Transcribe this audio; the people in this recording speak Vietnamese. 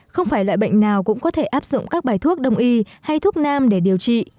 không phải loại bệnh nào cũng có thể áp dụng các bài thuốc đông y hay thuốc nam để điều trị